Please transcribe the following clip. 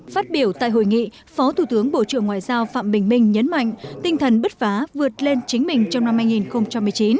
phát biểu tại hội nghị phó thủ tướng bộ trưởng ngoại giao phạm bình minh nhấn mạnh tinh thần bứt phá vượt lên chính mình trong năm hai nghìn một mươi chín